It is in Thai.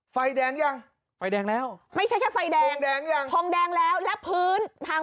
ไฟแดงยังไฟแดงแล้วไม่ใช่แค่ไฟแดงทองแดงยังทองแดงแล้วและพื้นทาง